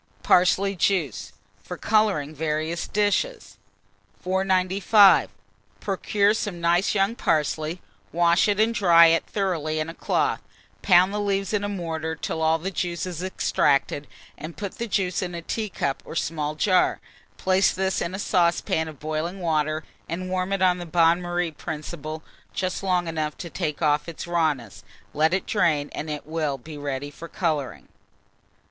PARSLEY JUICE, for Colouring various Dishes. 495. Procure some nice young parsley; wash it and dry it thoroughly in a cloth; pound the leaves in a mortar till all the juice is extracted, and put the juice in a teacup or small jar; place this in a saucepan of boiling water, and warm it on the bain marie principle just long enough to take off its rawness; let it drain, and it will be ready for colouring.